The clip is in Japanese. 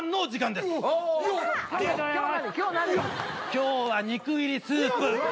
今日は肉入りスープ。